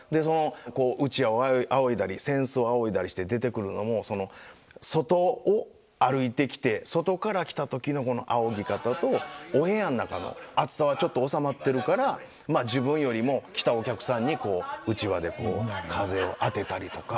うちわをあおいだり扇子をあおいだりして出てくるのも外を歩いてきて外から来た時のあおぎ方とお部屋ん中の暑さはちょっと収まってるからまあ自分よりも来たお客さんにうちわでこう風を当てたりとか。